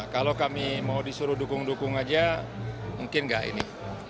kalau kami mau disuruh dukung dukung aja mungkin nggak ini